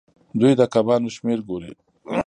دوی د کبانو شمیر ګوري.